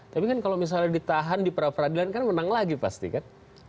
tapi kan kalau misalnya ditahan di pra peradilan kan menang lagi pasti kan